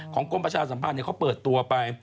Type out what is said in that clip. ของกลมประชาสัมภาษณ์เนี่ยเขาเปิดตัวไป